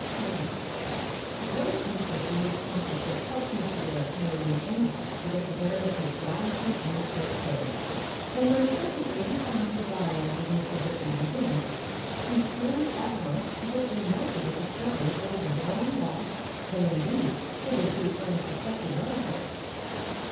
Section 10 The bright interest of this consulship helped Mr. Direck more than anything to get the better of his Robinson anecdote crave, and when presently he found his dialogue with Mr. Britling resumed, he turned at once to this remarkable discovery of his long lost and indeed hitherto unsuspected relative.